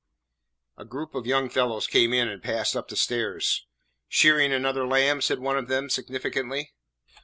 A group of young fellows came in and passed up the stairs. "Shearing another lamb?" said one of them significantly.